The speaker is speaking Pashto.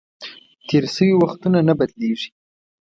تېر شوي وختونه نه بدلیږي .